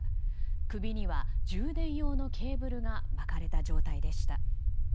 首には充電用ケーブルが巻かれた状態でした。